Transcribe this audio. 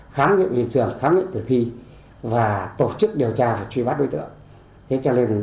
khám nghiệm hiện trường khám nghiệm tử thi và tổ chức điều tra truy bắt đối tượng